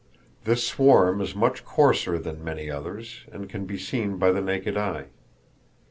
This swarm is much coarser than many others, and can be seen by the naked eye.